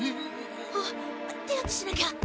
あっ手当てしなきゃ！